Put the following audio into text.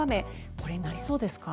これになりそうですか？